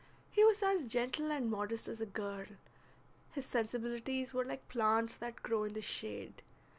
He was as gentle and modest as a girl; his sensibilities were like plants that grow in the shade.